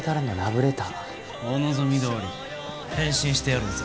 お望みどおり返信してやろうぜ。